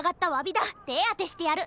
てあてしてやる！